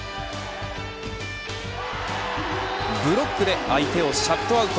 ブロックで相手をシャットアウト。